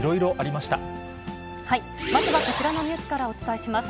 まずはこちらのニュースからお伝えします。